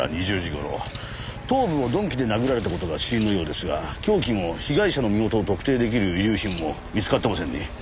頭部を鈍器で殴られた事が死因のようですが凶器も被害者の身元を特定出来る遺留品も見つかってませんね。